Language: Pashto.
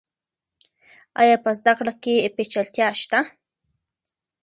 آیا په زده کړه کې پیچلتیا شته؟